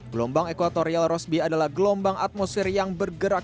gelombang ekuatorial rosby adalah gelombang atmosfer yang bergerak